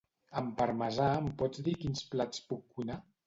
Amb parmesà em pots dir quins plats puc cuinar?